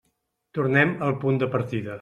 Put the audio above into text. Tornem al punt de partida.